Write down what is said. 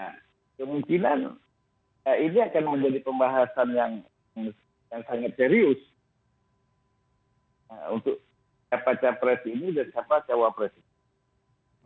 nah kemungkinan ini akan menjadi pembahasan yang sangat serius untuk siapa capres ini dan siapa cawapres ini